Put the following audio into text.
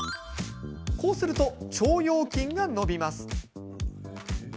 こうすると腸腰筋が伸びます。